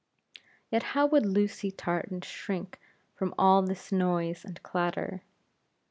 Yet, how would Lucy Tartan shrink from all this noise and clatter!